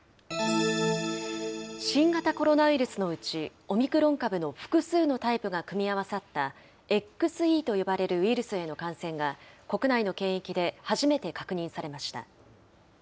新型コロナウイルスのうち、オミクロン株の複数のタイプが組み合わさったＸＥと呼ばれるウイルスへの感染が、国内の検疫で初めて確認されました。